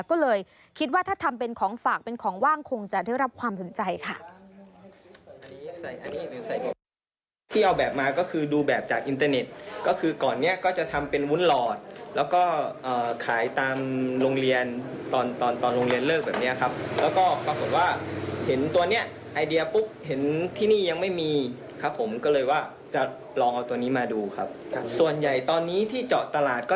ก็เลยคิดว่าถ้าทำเป็นของฝากเป็นของว่างคงจะได้รับความสนใจค่ะ